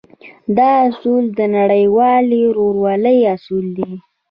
دا اصول د نړيوالې ورورۍ اصول دی.